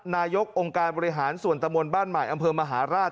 นายกองค์การบริหารส่วนตะมนต์บ้านใหม่อำเภอมหาราช